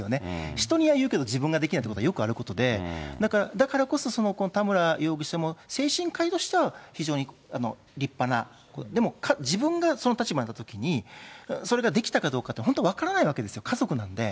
人には言うけど自分はできないというのはよくあることで、だからこそ、その田村容疑者も、精神科医としては非常に立派な、でも自分がその立場に立ったときに、それができたかどうかって、本当分からないわけですよ、家族なんで。